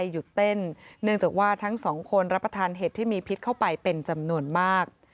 หยุดเต้นเนื่องจากว่าทั้งสองคนรับประทานเห็ดที่มีพิษเข้าไปเป็นจำนวนมาก